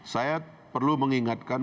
saya perlu mengingatkan